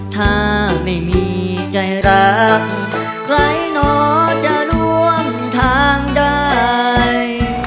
ถ้าไม่มีใจรักใครน้อจะร่วมทางได้